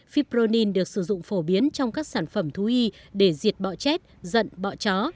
fibronin được sử dụng phổ biến trong các sản phẩm thu y để diệt bọ chết giận bọ chó